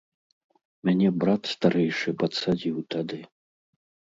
Мяне брат старэйшы падсадзіў тады.